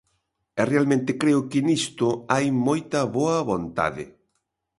E realmente creo que nisto hai moita boa vontade.